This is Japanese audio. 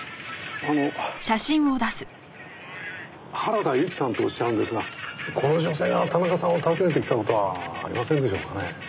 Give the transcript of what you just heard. あの原田由紀さんっておっしゃるんですがこの女性が田中さんを訪ねてきた事はありませんでしょうかね。